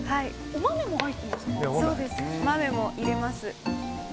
お豆も入れます。